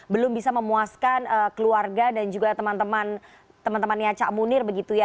belum bisa memuaskan keluarga dan juga teman temannya cak munir begitu ya